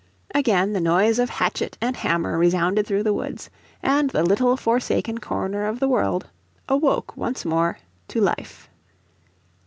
Again, the noise of hatchet and hammer resounded through the woods, and the little forsaken corner of the world awoke once more to life.